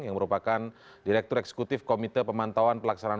yang merupakan direktur eksekutif komite pemantauan pelaksanaan